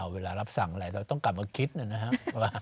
เวลารับสั่งอะไรเราต้องกลับมาคิดนะครับ